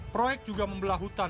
proyek juga membelah hutan